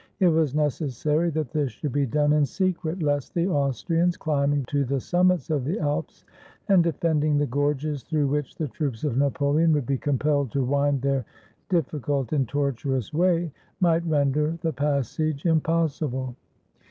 It was necessary that this should be done in secret, lest the Austrians, climbing to the summits of the Alps, and defending the gorges through which the troops of Napoleon would "3 ITALY be compelled to wind their difiScult and tortuous way, might render the passage impossible.